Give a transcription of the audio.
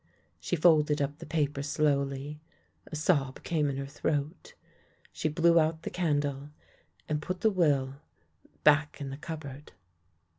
She folded up the paper slowly, a sob came in her throat, she blew out the candle, and put the will back in the cupboard.